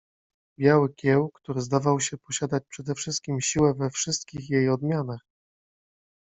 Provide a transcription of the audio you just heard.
Biały Kieł, który zdawał się posiadać przede wszystkim siłę we wszystkich jej odmianach -